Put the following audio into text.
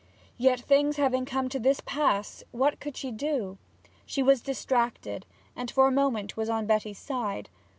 Yet, things having come to this pass, what could she do? She was distracted, and for a moment was on Betty's side.